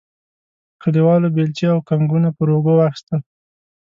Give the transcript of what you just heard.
کلیوالو بیلچې او کنګونه پر اوږو واخیستل.